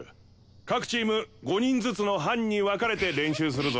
各チーム５人ずつの班に分かれて練習するぞ。